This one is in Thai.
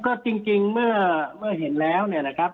ก็จริงเมื่อเห็นแล้วเนี่ยนะครับ